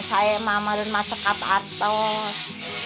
saya ayak saya masih masih masak atas